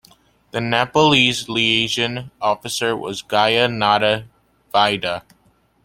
The Nepalese liaison officer was Gaya Nanda Vaidya.